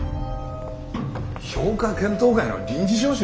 評価検討会の臨時招集？